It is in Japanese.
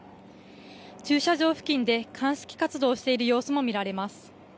駐車場付近で鑑識活動をしている様子も見られます。